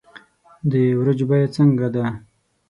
د ورجو بیه څنګه ده